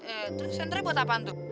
eh tuh centernya buat apaan tuh